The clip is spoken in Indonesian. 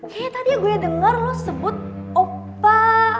kayaknya tadi gue dengar lo sebut opa